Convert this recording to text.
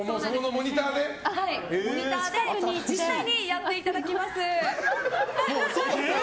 モニターで実際にやっていただきます。